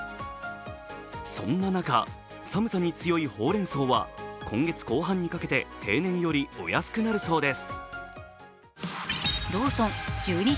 そんな中、寒さに強いほうれんそうは今月後半にかけて平年よりお安くなるそうです。